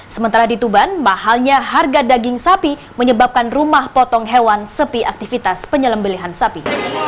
sementara di tuban mahalnya harga daging sapi menyebabkan rumah potong hewan sepi aktivitas penyelembelihan sapi